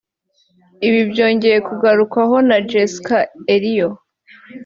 Ibi byongeye kugarukwaho na Jesca Eriyo